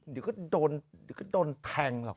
เดี๋ยวก็โดนแทงหรอก